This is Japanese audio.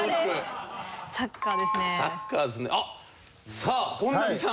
さあ本並さん